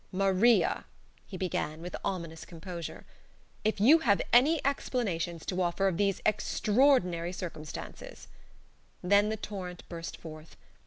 "Maria," he began, with ominous composure, "if you have any explanations to offer of these extraordinary circumstances " Then the torrent burst forth.